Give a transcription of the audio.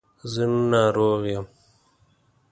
زه ناروغ یم